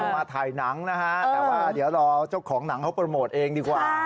มาถ่ายหนังนะฮะแต่ว่าเดี๋ยวรอเจ้าของหนังเขาโปรโมทเองดีกว่า